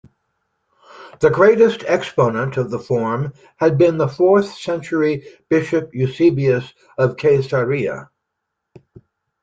The greatest exponent of the form had been the fourth-century bishop Eusebius of Caesarea.